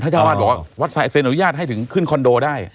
เจ้าวาดบอกว่าวัดเซ็นอนุญาตให้ถึงขึ้นคอนโดได้